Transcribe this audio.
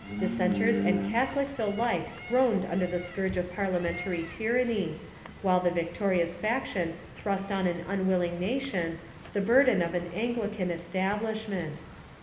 Dissenters and Catholics alike groaned under the scourge of parliamentary tyranny, while the victorious faction thrust on an unwilling nation the burden of an Anglican establish ment.